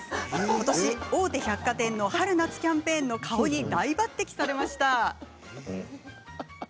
ことし、大手百貨店の春夏キャンペーンの顔に大抜てきされました。